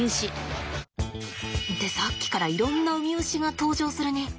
でさっきからいろんなウミウシが登場するね。